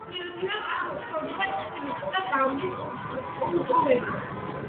ამ პერიოდიდან ფართოდ ვრცელდება სიმინდისა და ბამბის კულტურები.